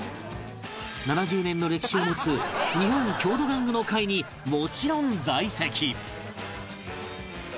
７０年の歴史を持つ日本郷土玩具の会にもちろん在籍